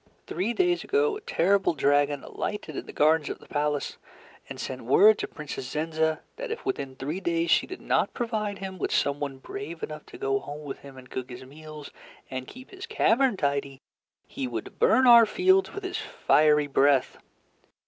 Three days ago a terrible dragon alighted in the gardens of the palace and sent word to Princess Zenza that if within three days she did not provide him with someone brave enough to go home with him and cook his meals and keep his cavern tidy, he would burn our fields with his fiery breath.